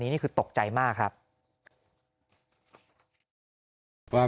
แม่พึ่งจะเอาดอกมะลิมากราบเท้า